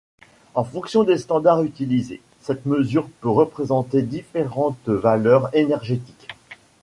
En fonction des standards utilisés, cette mesure peut représenter différentes valeurs énergétique.